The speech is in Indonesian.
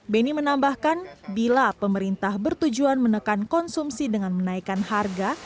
beni menambahkan bila pemerintah bertujuan menekan konsumsi dengan menaikkan harga